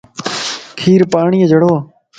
کير پاڻيني جڙووَ